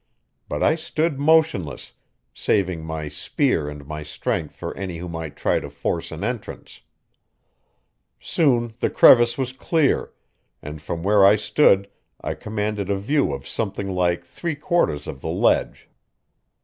But I stood motionless, saving my spear and my strength for any who might try to force an entrance. Soon the crevice was clear, and from where I stood I commanded a view of something like three quarters of the ledge.